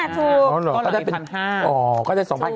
ถูกก็เหลือ๑๕๐๐บาท